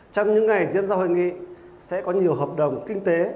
trong những ngày diễn ra hội nghị sẽ có nhiều hợp đồng kinh tế